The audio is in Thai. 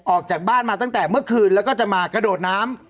ออกจากบ้านมาตั้งแต่เมื่อคืนแล้วก็จะมากระโดดน้ำ